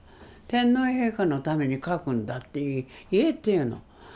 「天皇陛下のために描くんだって言え」って言うの。